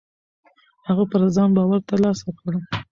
هغه پر ځان باور ترلاسه کړ.